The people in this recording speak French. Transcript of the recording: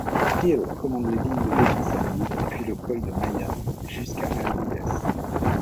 Hill commande les lignes de défense alliées depuis le col de Maya jusqu'à Aldudes.